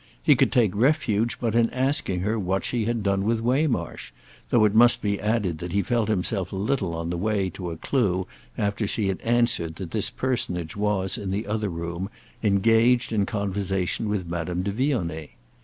He could take refuge but in asking her what she had done with Waymarsh, though it must be added that he felt himself a little on the way to a clue after she had answered that this personage was, in the other room, engaged in conversation with Madame de Vionnet.